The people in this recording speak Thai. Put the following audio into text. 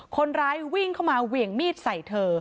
คนร้ายวิ่งเข้ามาเหวี่ยงมีดใส่เธอ